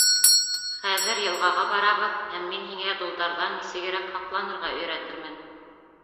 Хәҙер йылғаға барабыҙ һәм мин һиңә долдарҙан нисегерәк һаҡланырға өйрәтермен.